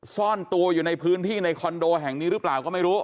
ซ่อนตัวอยู่ในพื้นที่ในคอนโดแห่งนี้หรือเปล่าก็ไม่รู้